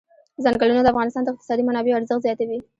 ځنګلونه د افغانستان د اقتصادي منابعو ارزښت زیاتوي.